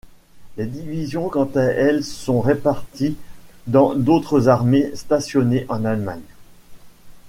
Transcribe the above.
Les divisions quant à elles sont réparties dans d'autres armées stationnées en Allemagne.